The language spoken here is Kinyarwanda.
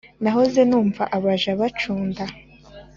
nahoze numva abaja bacunda,